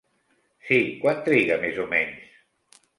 Sí, quant triga més o menys?